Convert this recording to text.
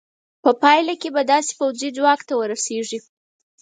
په پایله کې به داسې پوځي ځواک ته ورسېږې.